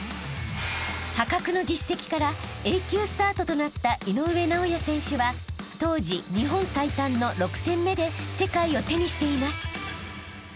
［破格の実績からＡ級スタートとなった井上尚弥選手は当時日本最短の６戦目で世界を手にしています］